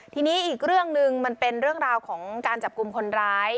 ทีนี้อีกเรื่องหนึ่งมันเป็นเรื่องราวของการจับกลุ่มคนร้าย